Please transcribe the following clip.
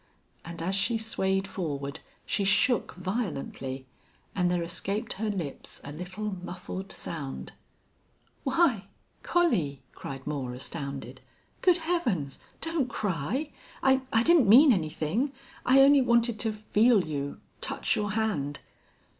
And as she swayed forward she shook violently, and there escaped her lips a little, muffled sound. "Why Collie!" cried Moore, astounded. "Good Heavens! Don't cry! I I didn't mean anything. I only wanted to feel you touch your hand."